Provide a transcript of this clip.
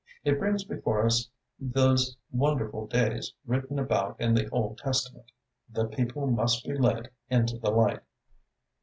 It brings before us those wonderful days written about in the Old Testament the people must be led into the light."